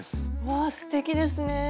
わあすてきですね。